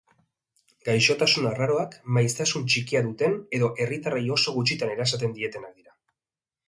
Gaixotasun arraroak maiztasun txikia duten edo herritarrei oso gutxitan erasaten dietenak dira.